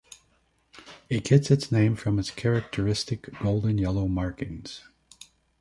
It gets its name from its characteristic golden yellow markings.